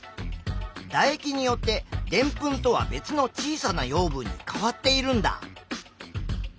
だ液によってでんぷんとは別の小さな養分に変わっているんだ。